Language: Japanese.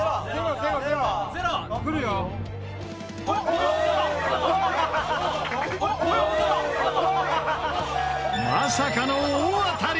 すごい！まさかの大当たり！